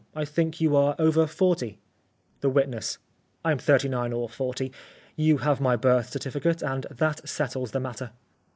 I think you are over forty ?' "The Witness: *I am thirty nine or forty. You have my birth certificate and that settles the matter.'